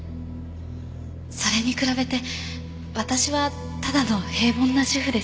それに比べて私はただの平凡な主婦です。